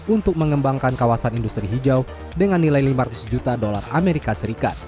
untuk mengembangkan kawasan industri hijau dengan nilai lima ratus juta dolar as